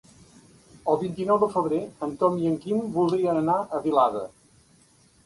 El vint-i-nou de febrer en Tom i en Quim voldrien anar a Vilada.